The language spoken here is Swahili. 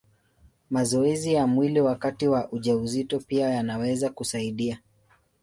Mazoezi ya mwili wakati wa ujauzito pia yanaweza kusaidia.